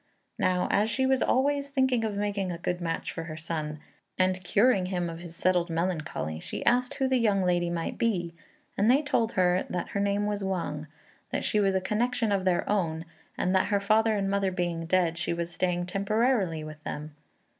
Now, as she was always thinking of making a good match for her son, and curing him of his settled melancholy, she asked who the young lady might be; and they told her that her name was Wang, that she was a connection of their own, and that her father and mother being dead, she was staying temporarily with them.